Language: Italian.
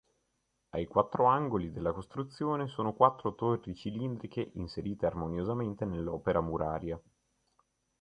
Ai quattro angoli della costruzione sono quattro torri cilindriche inserite armoniosamente nell'opera muraria.